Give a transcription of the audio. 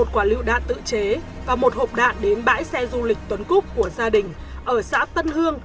một quả lựu đạn tự chế và một hộp đạn đến bãi xe du lịch tuấn cúc của gia đình ở xã tân hương